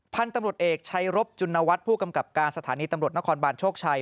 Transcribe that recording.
พันธุ์ตำรวจเอกชัยรบจุณวัฒน์ผู้กำกับการสถานีตำรวจนครบานโชคชัย